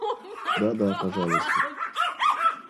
Да, да, пожалуйста.